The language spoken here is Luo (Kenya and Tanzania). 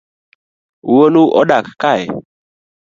Wuonu odak kae?